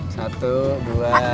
satu dua tiga